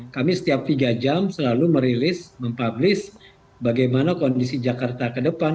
kami setiap tiga jam selalu merilis mempublis bagaimana kondisi jakarta ke depan